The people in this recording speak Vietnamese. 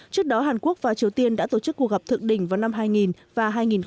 trước đó hàn quốc và triều tiên đã tổ chức cuộc gặp thượng đỉnh vào năm hai nghìn và hai nghìn bảy